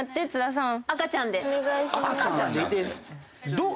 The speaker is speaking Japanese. どう？